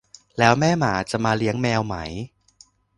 แล้วแม่หมาจะมาเลี้ยงแมวไหม